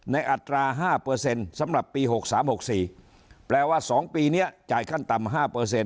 อัตรา๕สำหรับปี๖๓๖๔แปลว่า๒ปีนี้จ่ายขั้นต่ำ๕